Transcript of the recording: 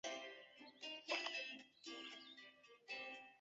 利口乐在瑞士有六个展示花园。